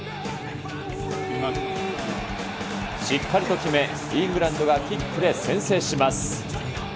しっかりと決め、イングランドがキックで先制します。